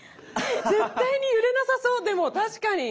絶対に揺れなさそうでも確かに。